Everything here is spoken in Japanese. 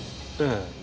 ええ。